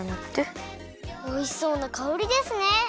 おいしそうなかおりですね！